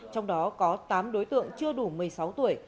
trong đó có tám đối tượng chưa đủ một mươi sáu tuổi